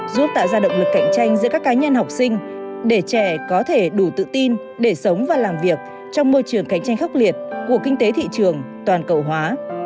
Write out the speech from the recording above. giúp tạo ra động lực cạnh tranh giữa các cá nhân học sinh để trẻ có thể đủ tự tin để sống và làm việc trong môi trường cạnh tranh khốc liệt của kinh tế thị trường toàn cầu hóa